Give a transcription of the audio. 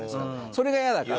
それが嫌だから。